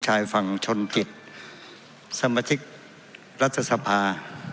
ชายฝั่งชนกิจสมาชิกรัฐสภา